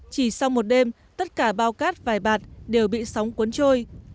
chỉ sau một đêm tất cả bao cát vài bạt đều bị sóng cuốn trôi